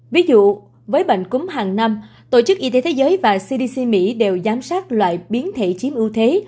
ví dụ với bệnh cúm hàng năm tổ chức y tế thế giới và cdc mỹ đều giám sát loại biến thể chiếm ưu thế